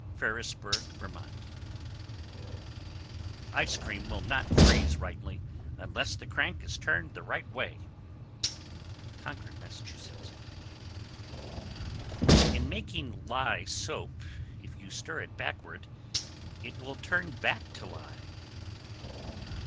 Ferrisburgh, Vt. 1147. Ice cream will not freeze rightly unless the crank is turned the right way. Concord, Mass. 1148. In making lye soap, if you stir it backward it will turn back to lye.